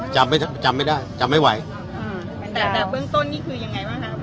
จำไม่จำไม่ได้จำไม่ไหวอ่าแต่แต่เบื้องต้นนี่คือยังไงบ้างครับ